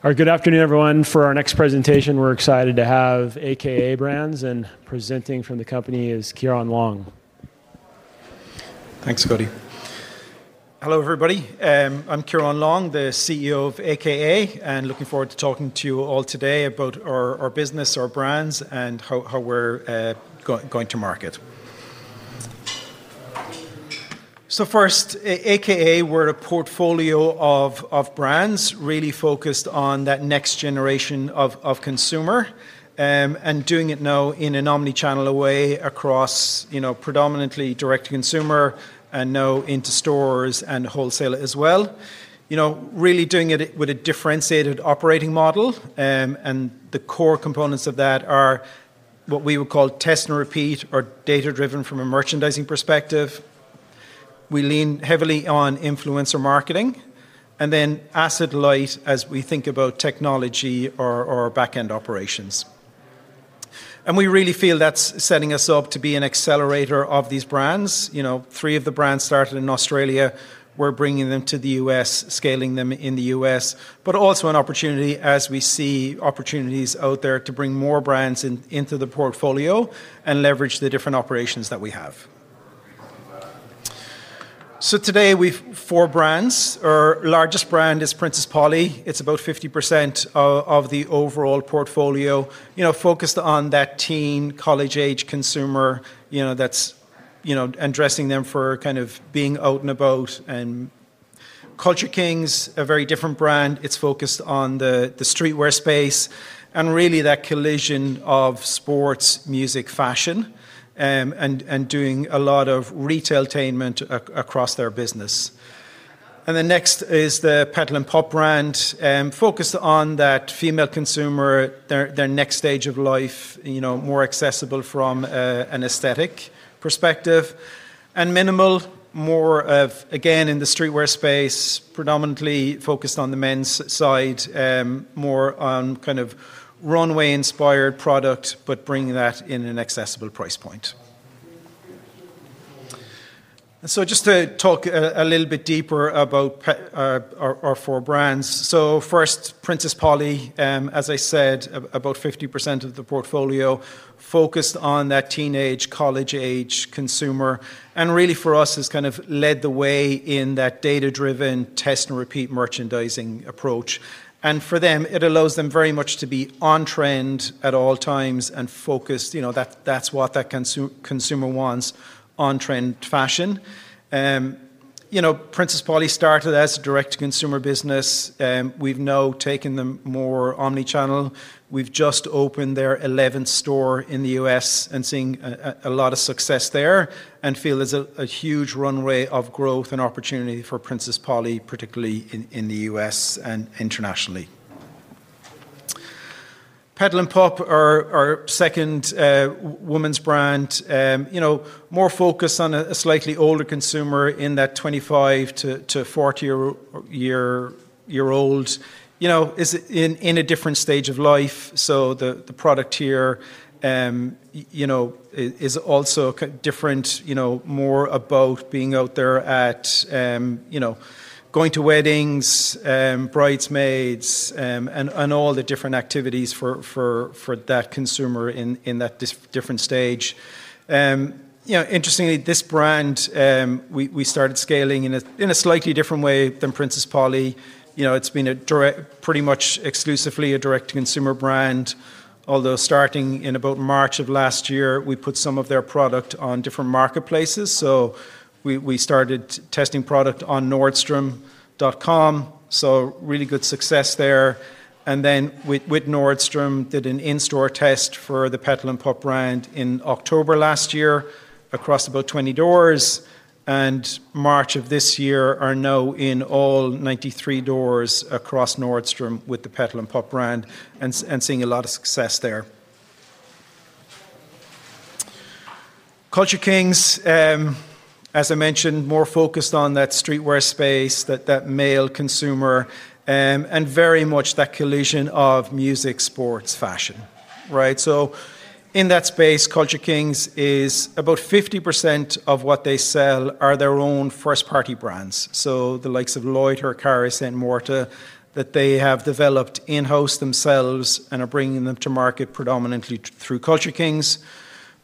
All right, good afternoon, everyone. For our next presentation, we're excited to have a.k.a. Brands, and presenting from the company is Ciaran Long. Thanks, Cody. Hello, everybody. I'm Ciaran Long, the CEO of a.k.a., and looking forward to talking to you all today about our business, our brands, and how we're going to market. First, a.k.a., we're a portfolio of brands really focused on that next generation of consumer, and doing it now in an omnichannel way across predominantly direct-to-consumer, and now into stores and wholesale as well. Really doing it with a differentiated operating model, and the core components of that are what we would call test and repeat, or data-driven from a merchandising perspective. We lean heavily on influencer marketing, and then asset light as we think about technology or back-end operations, and we really feel that's setting us up to be an accelerator of these brands. Three of the brands started in Australia. We're bringing them to the U.S., scaling them in the U.S., but also an opportunity, as we see opportunities out there, to bring more brands into the portfolio and leverage the different operations that we have. So today, we've four brands. Our largest brand is Princess Polly. It's about 50% of the overall portfolio, focused on that teen, college-age consumer that's addressing them for kind of being out and about, and Culture Kings, a very different brand. It's focused on the streetwear space, and really that collision of sports, music, fashion, and doing a lot of retailtainment across their business, and the next is the Petal & Pup brand, focused on that female consumer, their next stage of life, more accessible from an aesthetic perspective. And minimal, more of, again, in the streetwear space, predominantly focused on the men's side, more on kind of runway-inspired product, but bringing that in an accessible price point. And so just to talk a little bit deeper about our four brands. So first, Princess Polly, as I said, about 50% of the portfolio, focused on that teenage, college-age consumer, and really for us has kind of led the way in that data-driven, test and repeat merchandising approach. And for them, it allows them very much to be on-trend at all times and focused. That's what that consumer wants, on-trend fashion. Princess Polly started as a direct-to-consumer business. We've now taken them more omnichannel. We've just opened their 11th store in the U.S. and seeing a lot of success there, and feel there's a huge runway of growth and opportunity for Princess Polly, particularly in the U.S. and internationally. Petal & Pup brand, our second women's brand, more focused on a slightly older consumer in that 25 to 40-year-old, is in a different stage of life. So the product here is also different, more about being out there at going to weddings, bridesmaids, and all the different activities for that consumer in that different stage. Interestingly, this brand, we started scaling in a slightly different way than Princess Polly. It's been pretty much exclusively a direct-to-consumer brand, although starting in about March of last year, we put some of their product on different marketplaces. So we started testing product on Nordstrom.com. So really good success there. And then with Nordstrom, did an in-store test for the Petal & Pup brand in October last year across about 20 doors. In March of this year are now in all 93 doors across Nordstrom with the Petal & Pup brand, and seeing a lot of success there. Culture Kings, as I mentioned, more focused on that streetwear space, that male consumer, and very much that collision of music, sports, fashion, so in that space, Culture Kings is about 50% of what they sell are their own first-party brands, so the likes of Loiter, Carré, and Saint Morta that they have developed in-house themselves and are bringing them to market predominantly through Culture Kings.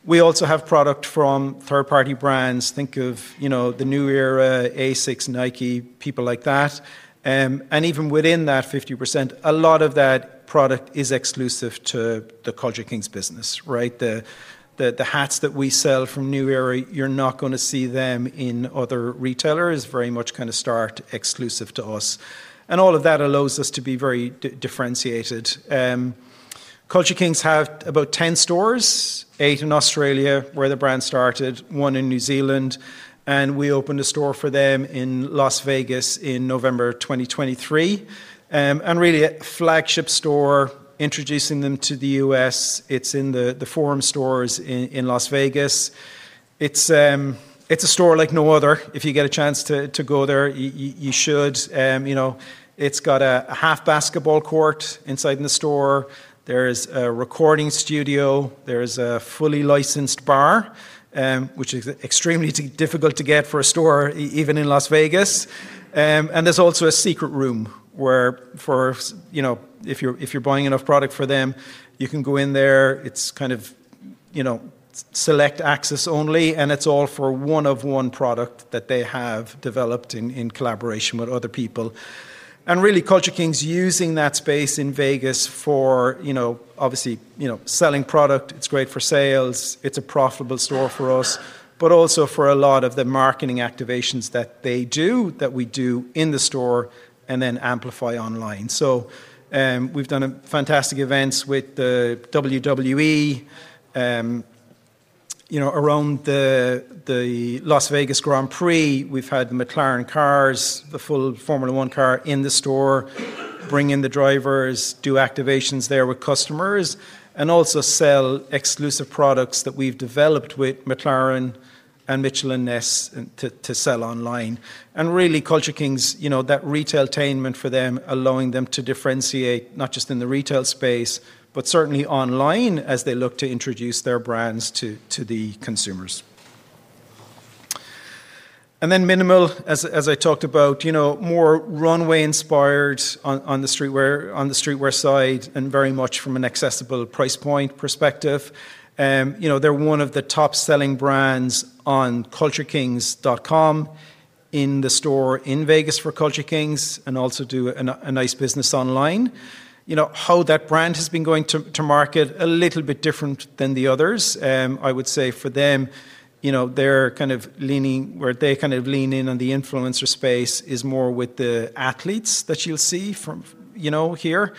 We also have product from third-party brands. Think of the New Era, ASICS, Nike, people like that. And even within that 50%, a lot of that product is exclusive to the Culture Kings business. The hats that we sell from New Era, you're not going to see them in other retailers. Very much kind of store exclusive to us. All of that allows us to be very differentiated. Culture Kings have about 10 stores, eight in Australia where the brand started, one in New Zealand. We opened a store for them in Las Vegas in November 2023. Really a flagship store, introducing them to the U.S. It's in the Forum stores in Las Vegas. It's a store like no other. If you get a chance to go there, you should. It's got a half basketball court inside the store. There is a recording studio. There is a fully licensed bar, which is extremely difficult to get for a store, even in Las Vegas. There's also a secret room where, if you're buying enough product for them, you can go in there. It's kind of select access only, and it's all for one-of-one product that they have developed in collaboration with other people. And really, Culture Kings using that space in Vegas for, obviously, selling product. It's great for sales. It's a profitable store for us, but also for a lot of the marketing activations that they do, that we do in the store, and then amplify online. So we've done fantastic events with the WWE. Around the Las Vegas Grand Prix, we've had McLaren cars, the full Formula 1 car in the store, bring in the drivers, do activations there with customers, and also sell exclusive products that we've developed with McLaren and Mitchell & Ness to sell online. And really, Culture Kings, that retailtainment for them, allowing them to differentiate not just in the retail space, but certainly online as they look to introduce their brands to the consumers. Then minimal, as I talked about, more runway inspired on the streetwear side and very much from an accessible price point perspective. They're one of the top-selling brands on CultureKings.com in the store in Vegas for Culture Kings and also do a nice business online. How that brand has been going to market, a little bit different than the others. I would say for them, they're kind of leaning where they kind of lean in on the influencer space is more with the athletes that you'll see here.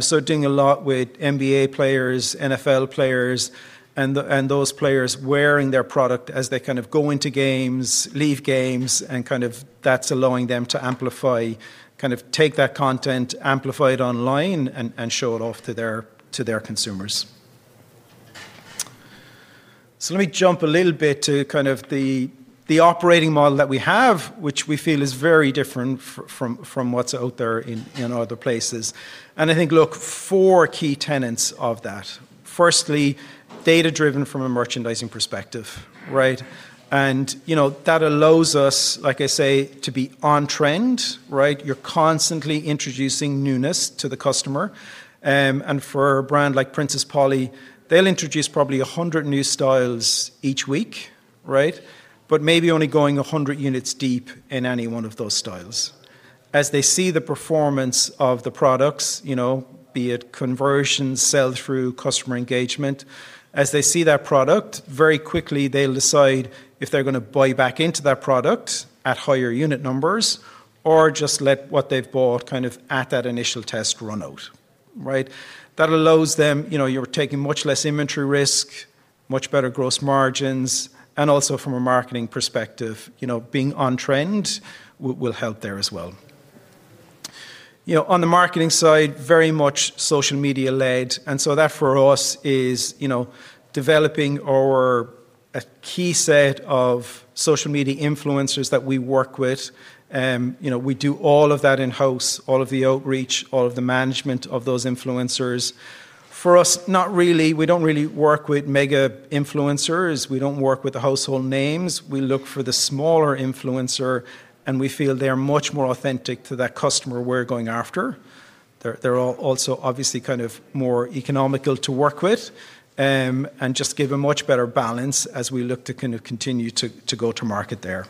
So doing a lot with NBA players, NFL players, and those players wearing their product as they kind of go into games, leave games, and kind of that's allowing them to amplify, kind of take that content, amplify it online, and show it off to their consumers. So let me jump a little bit to kind of the operating model that we have, which we feel is very different from what's out there in other places. And I think, look, four key tenets of that. Firstly, data-driven from a merchandising perspective. And that allows us, like I say, to be on-trend. You're constantly introducing newness to the customer. And for a brand like Princess Polly, they'll introduce probably 100 new styles each week, but maybe only going 100 units deep in any one of those styles. As they see the performance of the products, be it conversions, sell-through, customer engagement, as they see that product, very quickly they'll decide if they're going to buy back into that product at higher unit numbers or just let what they've bought kind of at that initial test run out. That allows them. You're taking much less inventory risk, much better gross margins, and also from a marketing perspective, being on-trend will help there as well. On the marketing side, very much social media-led. And so that for us is developing our key set of social media influencers that we work with. We do all of that in-house, all of the outreach, all of the management of those influencers. For us, not really. We don't really work with mega influencers. We don't work with the household names. We look for the smaller influencer, and we feel they're much more authentic to that customer we're going after. They're also obviously kind of more economical to work with and just give a much better balance as we look to kind of continue to go to market there.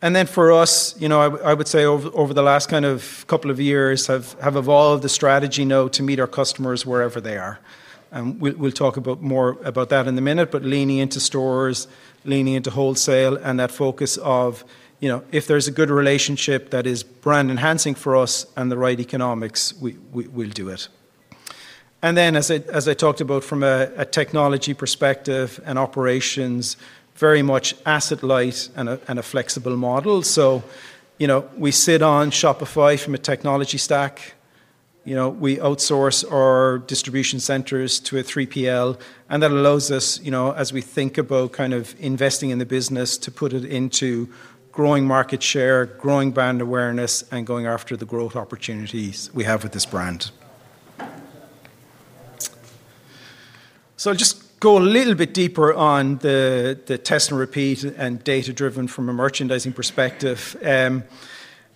And then for us, I would say over the last kind of couple of years, have evolved the strategy now to meet our customers wherever they are. We'll talk more about that in a minute, but leaning into stores, leaning into wholesale, and that focus of if there's a good relationship that is brand-enhancing for us and the right economics, we'll do it. And then, as I talked about, from a technology perspective and operations, very much asset light and a flexible model. So we sit on Shopify from a technology stack. We outsource our distribution centers to a 3PL, and that allows us, as we think about kind of investing in the business, to put it into growing market share, growing brand awareness, and going after the growth opportunities we have with this brand. I'll just go a little bit deeper on the test and repeat and data-driven from a merchandising perspective. A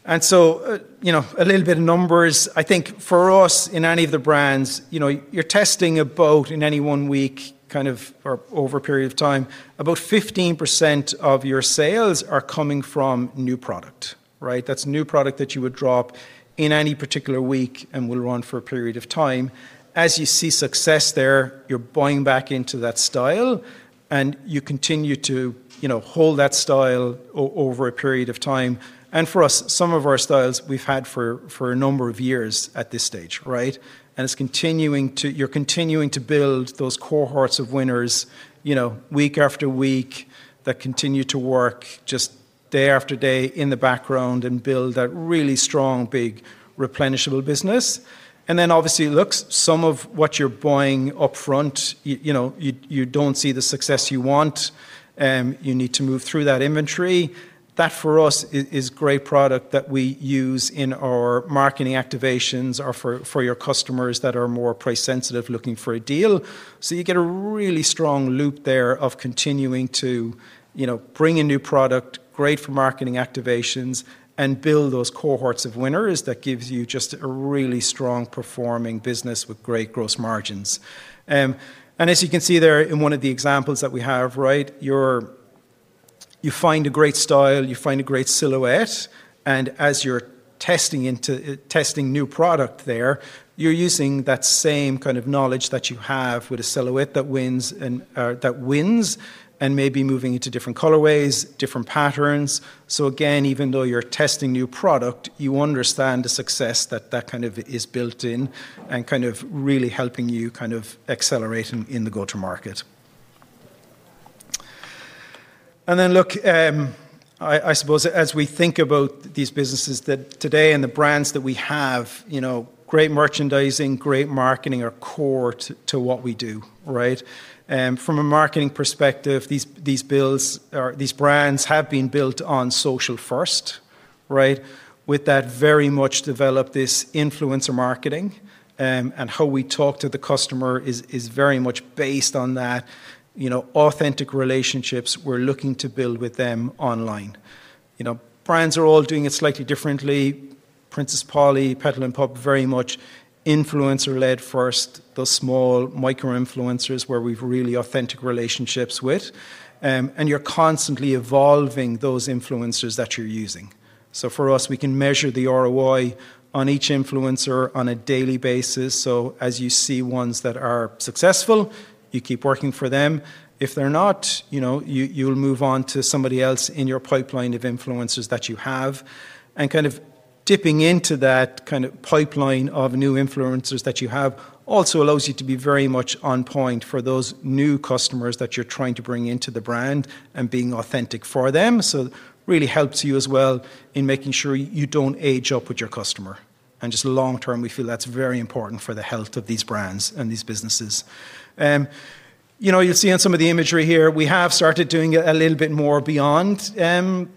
little bit of numbers. I think for us, in any of the brands, you're testing about in any one week kind of or over a period of time, about 15% of your sales are coming from new product. That's new product that you would drop in any particular week and will run for a period of time. As you see success there, you're buying back into that style, and you continue to hold that style over a period of time. For us, some of our styles, we've had for a number of years at this stage. You're continuing to build those cohorts of winners week after week that continue to work just day after day in the background and build that really strong, big replenishable business. And then obviously, look, some of what you're buying upfront, you don't see the success you want. You need to move through that inventory. That for us is great product that we use in our marketing activations or for your customers that are more price-sensitive looking for a deal. So you get a really strong loop there of continuing to bring in new product, great for marketing activations, and build those cohorts of winners that gives you just a really strong performing business with great gross margins. And as you can see there in one of the examples that we have, you find a great style, you find a great silhouette, and as you're testing new product there, you're using that same kind of knowledge that you have with a silhouette that wins and maybe moving into different colorways, different patterns. So again, even though you're testing new product, you understand the success that that kind of is built in and kind of really helping you kind of accelerate in the go-to-market. And then look, I suppose as we think about these businesses today and the brands that we have, great merchandising, great marketing are core to what we do. From a marketing perspective, these brands have been built on social first, with that very much developed this influencer marketing and how we talk to the customer is very much based on that authentic relationships we're looking to build with them online. Brands are all doing it slightly differently. Princess Polly, Petal & Pup, very much influencer-led first, those small micro-influencers where we've really authentic relationships with. And you're constantly evolving those influencers that you're using. So for us, we can measure the ROI on each influencer on a daily basis. So as you see ones that are successful, you keep working for them. If they're not, you'll move on to somebody else in your pipeline of influencers that you have. And kind of dipping into that kind of pipeline of new influencers that you have also allows you to be very much on point for those new customers that you're trying to bring into the brand and being authentic for them. So really helps you as well in making sure you don't age up with your customer. And just long term, we feel that's very important for the health of these brands and these businesses. You'll see on some of the imagery here, we have started doing a little bit more beyond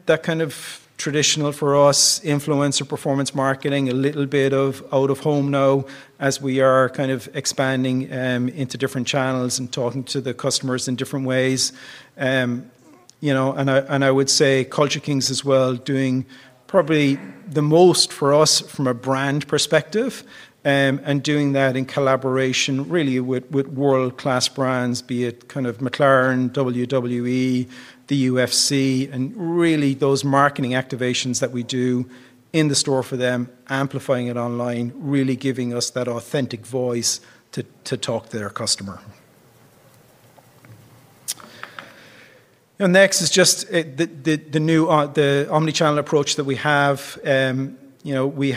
that kind of traditional for us influencer performance marketing, a little bit of out of home now as we are kind of expanding into different channels and talking to the customers in different ways. And I would say Culture Kings as well, doing probably the most for us from a brand perspective and doing that in collaboration really with world-class brands, be it kind of McLaren, WWE, the UFC, and really those marketing activations that we do in the store for them, amplifying it online, really giving us that authentic voice to talk to their customer. Next is just the omnichannel approach that we have. We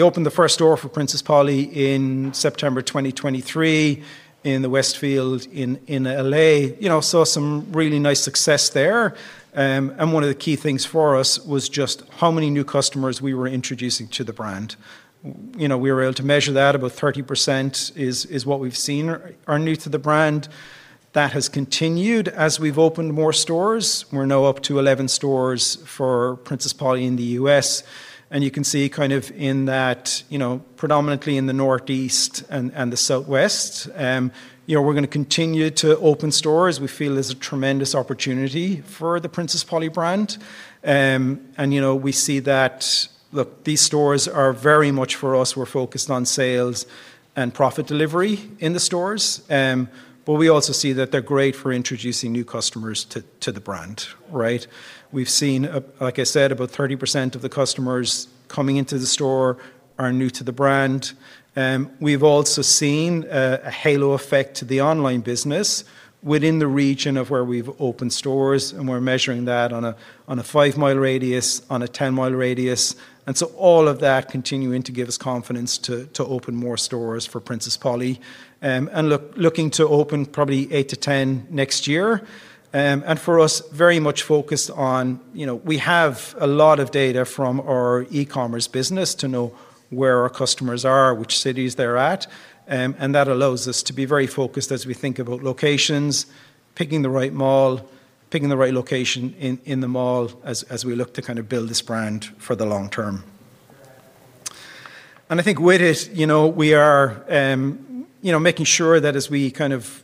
opened the first door for Princess Polly in September 2023 in the Westfield in LA. Saw some really nice success there. One of the key things for us was just how many new customers we were introducing to the brand. We were able to measure that. About 30% is what we've seen are new to the brand. That has continued as we've opened more stores. We're now up to 11 stores for Princess Polly in the U.S. You can see kind of in that, predominantly in the Northeast and the Southwest, we're going to continue to open stores. We feel there's a tremendous opportunity for the Princess Polly brand. We see that, look, these stores are very much for us. We're focused on sales and profit delivery in the stores. We also see that they're great for introducing new customers to the brand. We've seen, like I said, about 30% of the customers coming into the store are new to the brand. We've also seen a halo effect to the online business within the region of where we've opened stores, and we're measuring that on a five-mile radius, on a 10-mile radius. And so all of that continuing to give us confidence to open more stores for Princess Polly and looking to open probably eight to 10 next year. And for us, very much focused on we have a lot of data from our e-commerce business to know where our customers are, which cities they're at. And that allows us to be very focused as we think about locations, picking the right mall, picking the right location in the mall as we look to kind of build this brand for the long term. And I think with it, we are making sure that as we kind of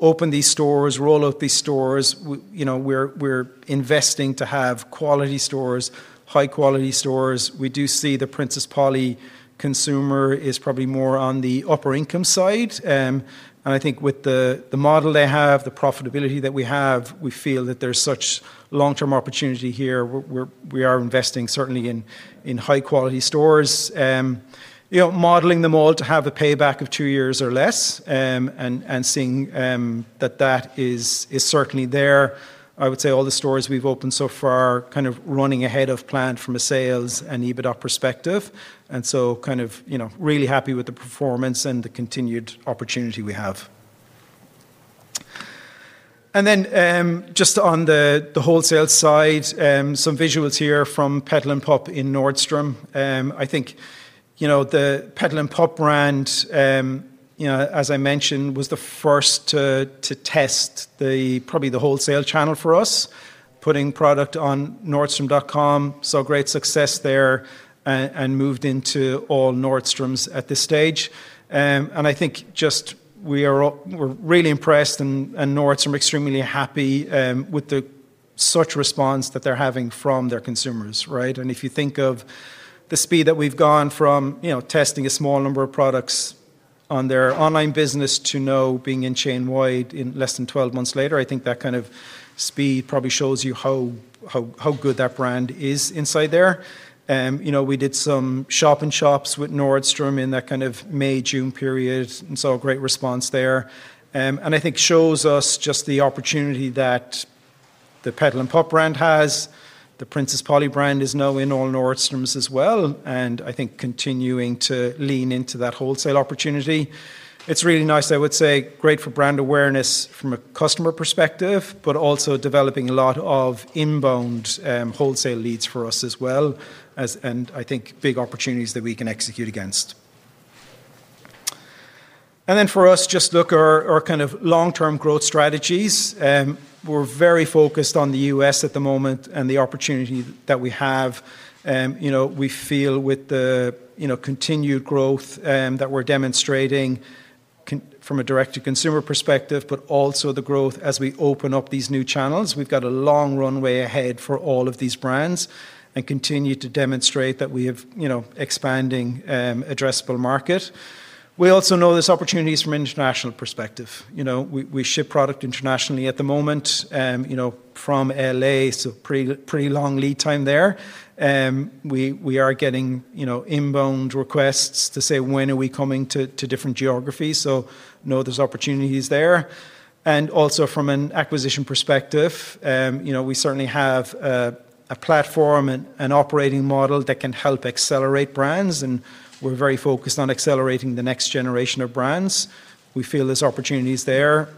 open these stores, roll out these stores, we're investing to have quality stores, high-quality stores. We do see the Princess Polly consumer is probably more on the upper-income side, and I think with the model they have, the profitability that we have, we feel that there's such long-term opportunity here. We are investing certainly in high-quality stores, modeling them all to have a payback of two years or less and seeing that that is certainly there. I would say all the stores we've opened so far are kind of running ahead of plan from a sales and EBITDA perspective, and so kind of really happy with the performance and the continued opportunity we have, and then just on the wholesale side, some visuals here from Petal & Pup in Nordstrom. I think the Petal & Pup brand, as I mentioned, was the first to test probably the wholesale channel for us, putting product on Nordstrom.com, saw great success there and moved into all Nordstroms at this stage. I think just we're really impressed and Nordstrom extremely happy with such response that they're having from their consumers. If you think of the speed that we've gone from testing a small number of products on their online business to now being chain-wide in less than 12 months later, I think that kind of speed probably shows you how good that brand is inside there. We did some shop-in-shops with Nordstrom in that kind of May-June period and saw great response there. I think shows us just the opportunity that the Petal & Pup brand has. The Princess Polly brand is now in all Nordstroms as well and I think continuing to lean into that wholesale opportunity. It's really nice, I would say, great for brand awareness from a customer perspective, but also developing a lot of inbound wholesale leads for us as well, and I think big opportunities that we can execute against, and then for us, just look at our kind of long-term growth strategies. We're very focused on the U.S. at the moment and the opportunity that we have. We feel with the continued growth that we're demonstrating from a direct-to-consumer perspective, but also the growth as we open up these new channels. We've got a long runway ahead for all of these brands and continue to demonstrate that we have expanding addressable market. We also know there's opportunities from an international perspective. We ship product internationally at the moment from LA, so pretty long lead time there. We are getting inbound requests to say, "When are we coming to different geographies?" So, you know, there's opportunities there. And also from an acquisition perspective, we certainly have a platform and operating model that can help accelerate brands, and we're very focused on accelerating the next generation of brands. We feel there's opportunities there,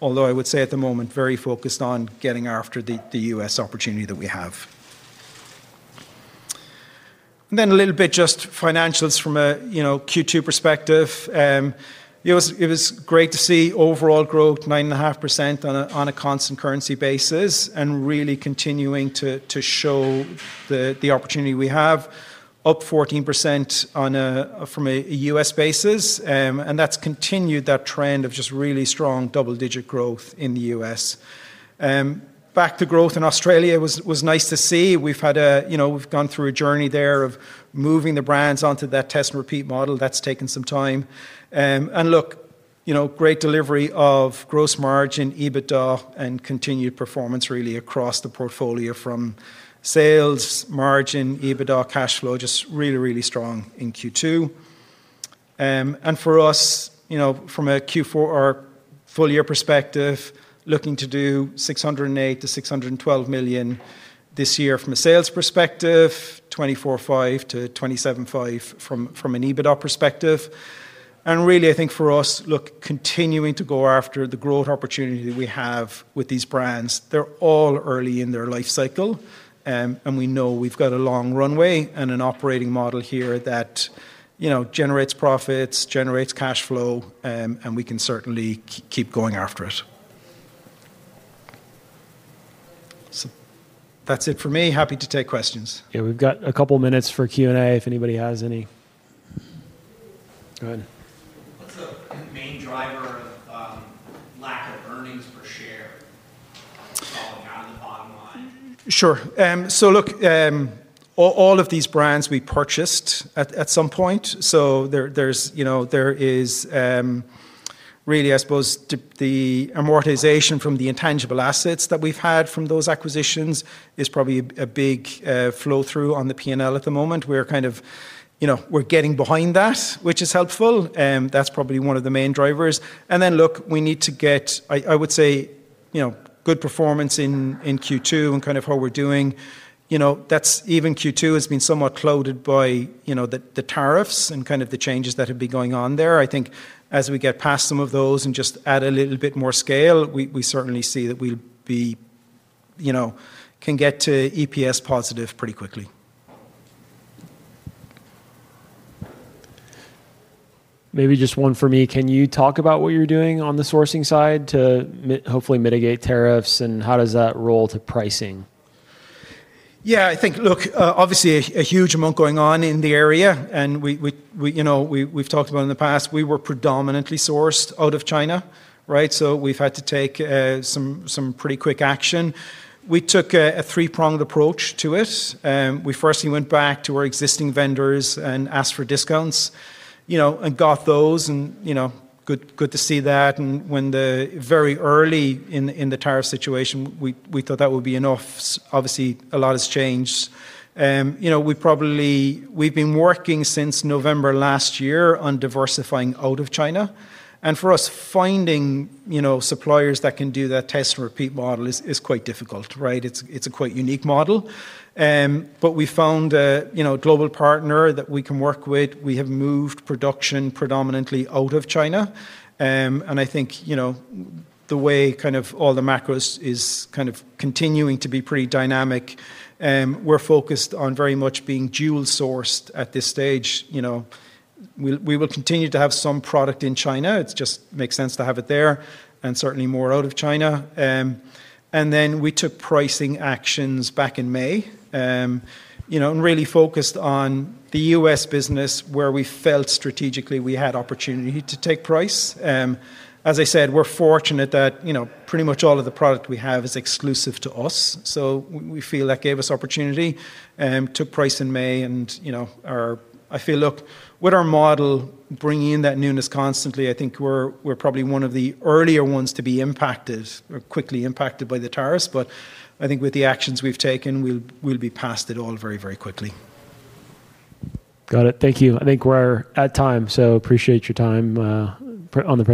although I would say at the moment, very focused on getting after the U.S. opportunity that we have. And then a little bit just financials from a Q2 perspective. It was great to see overall growth, 9.5% on a constant currency basis and really continuing to show the opportunity we have, up 14% from a U.S. basis. And that's continued that trend of just really strong double-digit growth in the U.S. Back to growth in Australia was nice to see. We've gone through a journey there of moving the brands onto that test and repeat model. That's taken some time. And look, great delivery of gross margin, EBITDA, and continued performance really across the portfolio from sales, margin, EBITDA, cash flow, just really, really strong in Q2. And for us, from a Q4 or full-year perspective, looking to do $608-$612 million this year from a sales perspective, $24.5-$27.5 million from an EBITDA perspective. And really, I think for us, look, continuing to go after the growth opportunity we have with these brands. They're all early in their life cycle, and we know we've got a long runway and an operating model here that generates profits, generates cash flow, and we can certainly keep going after it. So that's it for me. Happy to take questions. Yeah, we've got a couple of minutes for Q&A if anybody has any. Go ahead. What's the main driver of lack of earnings per share falling out of the bottom line? Sure. So look, all of these brands we purchased at some point. So there is really, I suppose, the amortization from the intangible assets that we've had from those acquisitions is probably a big flow-through on the P&L at the moment. We're kind of getting behind that, which is helpful. That's probably one of the main drivers. And then look, we need to get, I would say, good performance in Q2 and kind of how we're doing. That's even Q2 has been somewhat clouded by the tariffs and kind of the changes that have been going on there. I think as we get past some of those and just add a little bit more scale, we certainly see that we can get to EPS positive pretty quickly. Maybe just one for me. Can you talk about what you're doing on the sourcing side to hopefully mitigate tariffs, and how does that roll to pricing? Yeah, I think, look, obviously a huge amount going on in the area, and we've talked about in the past, we were predominantly sourced out of China, so we've had to take some pretty quick action. We took a three-pronged approach to it. We firstly went back to our existing vendors and asked for discounts and got those, and good to see that, and when the very early in the tariff situation, we thought that would be enough. Obviously, a lot has changed. We've been working since November last year on diversifying out of China, and for us, finding suppliers that can do that test and repeat model is quite difficult. It's a quite unique model, but we found a global partner that we can work with. We have moved production predominantly out of China. And I think the way kind of all the macros is kind of continuing to be pretty dynamic, we're focused on very much being dual-sourced at this stage. We will continue to have some product in China. It just makes sense to have it there and certainly more out of China. And then we took pricing actions back in May and really focused on the U.S. business where we felt strategically we had opportunity to take price. As I said, we're fortunate that pretty much all of the product we have is exclusive to us. So we feel that gave us opportunity, took price in May, and I feel, look, with our model bringing in that newness constantly, I think we're probably one of the earlier ones to be impacted or quickly impacted by the tariffs. But I think with the actions we've taken, we'll be past it all very, very quickly. Got it. Thank you. I think we're at time, so appreciate your time on this.